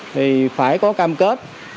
thì phải có cam kết